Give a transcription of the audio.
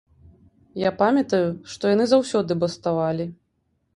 Я памятаю, што яны заўсёды баставалі.